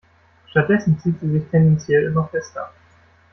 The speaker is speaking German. Stattdessen zieht sie sich tendenziell immer fester.